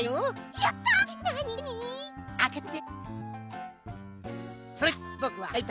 やった！